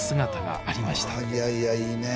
いやいやいいねえ。